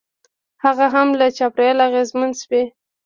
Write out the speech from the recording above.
هغه هم له چاپېریال اغېزمن شوی.